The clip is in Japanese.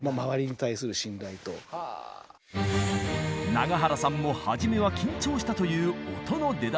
長原さんもはじめは緊張したという音の出だし。